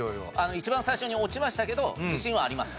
一番最初に落ちましたけど自信はあります。